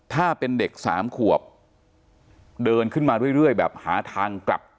ถ้าเป็นเด็กสามขวบเดินขึ้นมาเรื่อยแบบหาทางกลับ